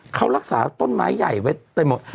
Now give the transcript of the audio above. เขารักษาต้นไมค์ใหญ่ไว้ได้หมด